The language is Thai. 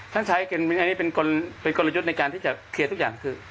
ใช้อันนี้เป็นกลยุทธ์ในการที่จะเคลียร์ทุกอย่างคือ